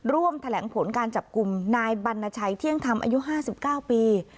ร่วมแถลงผลการจับกลุ่มนายบัณชัยเที่ยงธรรมอายุห้าสิบเก้าปี